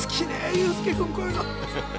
ユースケ君こういうの。